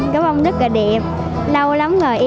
gáo bông rất là đẹp lâu lắm rồi